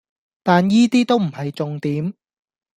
但依啲都唔係重點